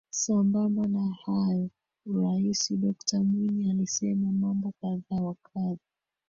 Sambamba na hayo Rais Dokta Mwinyi alisema mambo kadha wa kadha